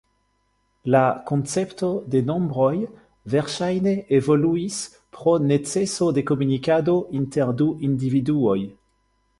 La koncepto de nombroj verŝajne evoluis pro neceso de komunikado inter du individuoj.